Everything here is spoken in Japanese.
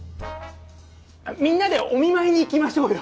みんなでお見舞いに行きましょうよ。